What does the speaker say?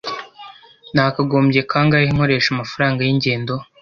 Nakagombye kangahe nkoresha amafaranga yingendo?